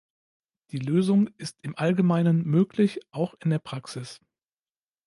Die Lösung ist im Allgemeinen möglich, auch in der Praxis.